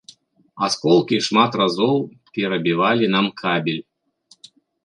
Асколкі шмат разоў перабівалі нам кабель.